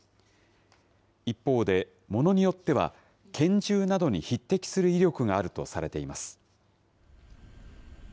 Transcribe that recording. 一方で、ものによっては、拳銃などに匹敵する威力があるとされています。